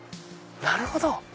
なるほど。